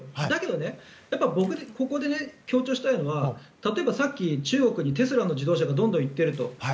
だけど、僕がここで強調したいのは例えば、さっき中国にテスラの自動車がどんどん行っていると。